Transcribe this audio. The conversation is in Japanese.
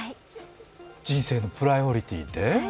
人生のプライオリティーで？